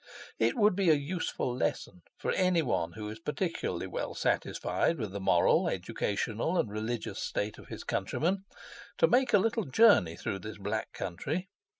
It would be a useful lesson for any one who is particularly well satisfied with the moral, educational, and religious state of his countrymen, to make a little journey through this Black Country.